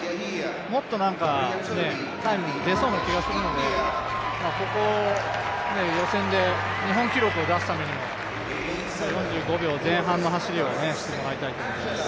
もっとタイム出そうな気がするので、ここ、予選で日本記録を出すためにも４５秒前半の走りをしてもらいたいと思います。